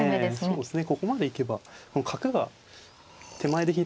そうですね。